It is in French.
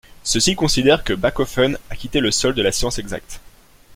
Ceux-ci considèrent que Bachofen a quitté le sol de la science exacte.